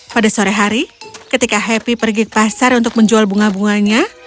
pada sore hari ketika happy pergi ke pasar untuk menjual bunga bunganya